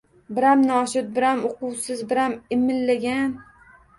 Biram noshud, biram uquvsiz, biram imillagan